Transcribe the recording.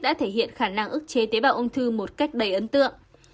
đã thể hiện khả năng ước chế tế bào ung thư một cách đầy ấn tượng